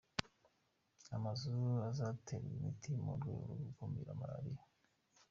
Amazu azaterwa imiti mu rwego rwo gukumira Malariya